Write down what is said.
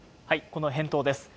この返答です。